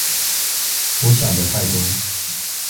我想的太多